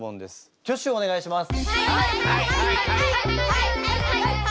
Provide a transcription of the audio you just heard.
挙手をお願いします。